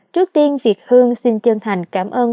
trước tiên phi hương xin chân thành cảm ơn